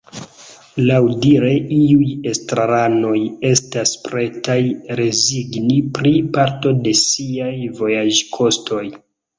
Laŭdire iuj estraranoj estas pretaj rezigni pri parto de siaj vojaĝkostoj.